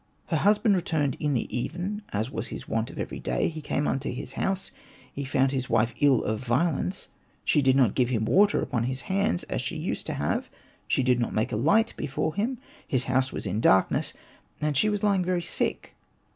'' Her husband returned in the even, as was his wont of every day ; he came unto his house ; he found his wife ill of violence ; she did not give him water upon his hands as he used to have, she did not make a light before him, his house was in darkness, and she was lying very sick.